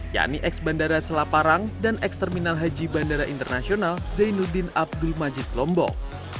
yakni eks bandara selaparang dan eks terminal haji bandara internasional zainuddin abdul majid lombok